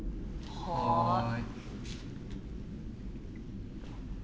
はい。